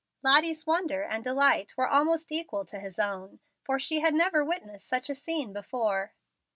Lottie's wonder and delight were almost equal to his own, for she had never witnessed such a scene before.